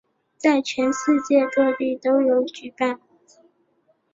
在全世界各地都有举办。